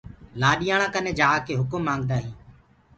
لآڏياݪآنٚ ڪني جآڪي هُڪم مآنگدآ هينٚ۔